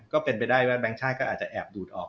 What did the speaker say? ก็เป็นไปได้ว่าแบงค์ชาติก็อาจจะแอบดูดออก